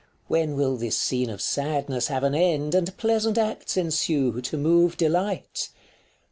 When will this scene of sadness have an end,. And pleasant acts ensue, to move delight